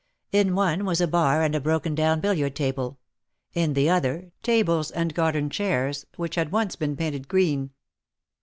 In one was a bar and a broken down billiard table; in the other, tables and garden chairs, which had once been painted green.